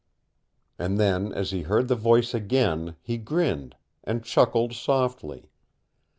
And then, as he heard the voice again, he grinned, and chuckled softly.